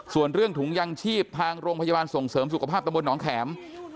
ส่วนเรื่องถุงยังชีพทางโรงพยาบาลส่งเสริมสุขภาพตะบนหนองแข็ม